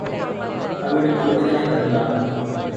அவளுக்கு விடுதலை தந்தான்.